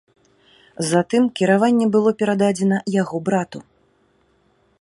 Затым кіраванне было перададзена яго брату.